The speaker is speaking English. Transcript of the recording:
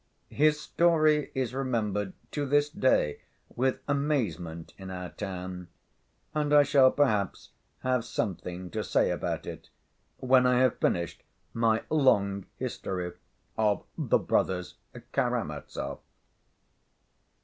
His story is remembered to this day with amazement in our town, and I shall perhaps have something to say about it, when I have finished my long history of the Brothers Karamazov.